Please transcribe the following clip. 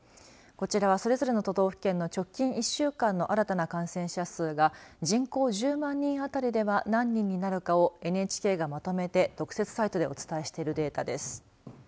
こちらはそれぞれの都道府県の直近１週間の新たな感染者数が人口１０万人あたりでは何人になるかをＮＨＫがまとめて特設サイトでお伝えしているデータです。